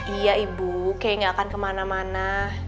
iya ibu kayak gak akan kemana mana